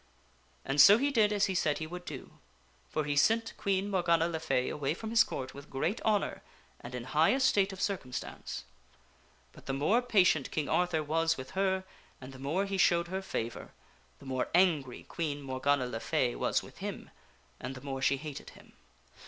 And so he did as he said he would do, for he sent Queen Morgana le Fay away from his Court with great honor and in high estate r . n 'i IT A A L Queen Morgana of circumstance. But the more patient King Arthur was with i e p ay i ea veth her and the more he showed her favor, the more angry Queen Morgana le Fay was with him and the more she hated him.